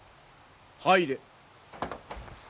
入れ。